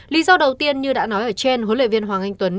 lý do đầu tiên như đã nói ở trên huấn luyện viên hoàng anh tuấn